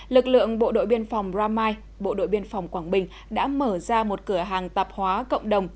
lực lượng bộ đội biên phòng ramai bộ đội biên phòng quảng bình đã mở ra một cửa hàng tạp hóa cộng đồng